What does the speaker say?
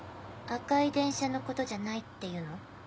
赤い電車のことじゃないっていうの？